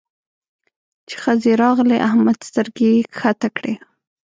چې ښځې راغلې؛ احمد سترګې کښته کړې.